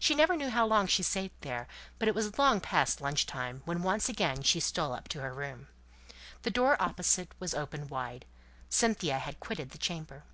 She never knew how long she sate there, but it was long past lunch time when once again she stole up to her room. The door opposite was open wide, Cynthia had quitted the chamber.